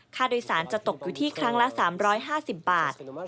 ค่าโดยสารจะตกอยู่ที่ครั้งละ๓๕๐บาท